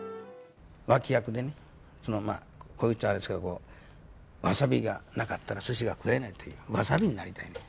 脇役でね、こう言っちゃあれですけど、わさびがなかったら、すしが食えねぇっていう、わさびになりたい。